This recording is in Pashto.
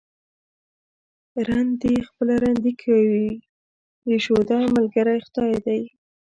رند دي خپله رندي کوي ، د شوده ملگرى خداى دى.